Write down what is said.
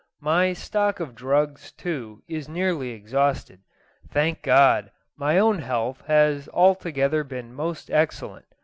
My stock of drugs, too, is nearly exhausted. Thank God, my own health has altogether been most excellent.